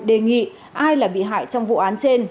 đề nghị ai là bị hại trong vụ án trên